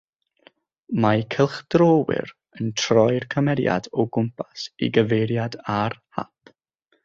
Mae cylchdröwyr yn troi'r cymeriad o gwmpas i gyfeiriad ar hap.